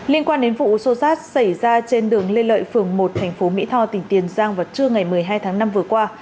liên quan đến vụ xô xát xảy ra trên đường lê lợi phường một thành phố mỹ tho tỉnh tiền giang vào trưa ngày một mươi hai tháng năm vừa qua